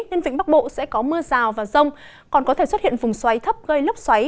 nên vĩnh bắc bộ sẽ có mưa rào và rông còn có thể xuất hiện vùng xoáy thấp gây lốc xoáy